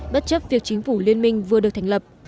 bất chấp việc chính phủ liên minh vừa được thành lập